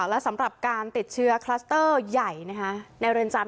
และสำหรับการติดเชื้อคลัสเตอร์ใหญ่ในเรือนจำ